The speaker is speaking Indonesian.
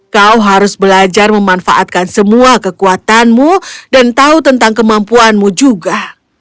kau harus belajar memanfaatkan semua kekuatanmu dan tahu tentang kemampuanmu juga